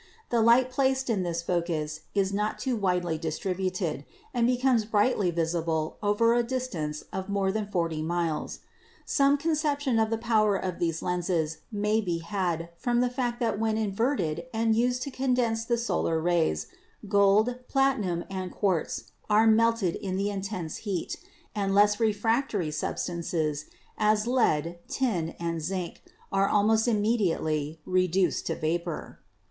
The light placed in this focus is not too widely distributed, and becomes brightly visible over a distance of more than REFLECTION AND REFRACTION 93 forty miles. Some conception of the power of these lenses may be had from the fact that when inverted and used to condense the solar rays, gold, platinum and quartz are melted in the intense heat, and less refractory substances, as lead, tin and zinc, are almost immediately reduced to a vapor.